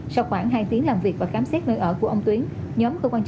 sau khoảng hai tiếng làm việc và khám xét nơi ở của ông tuyến